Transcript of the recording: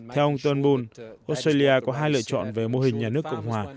theo ông turnbul australia có hai lựa chọn về mô hình nhà nước cộng hòa